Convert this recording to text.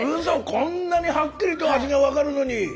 こんなにはっきりと味が分かるのに！